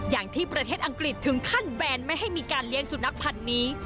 อย่างที่ประเทศอังกฤษถึงขั้นแบนไม่ให้มีการเลี้ยงสุนัขพันธ์นี้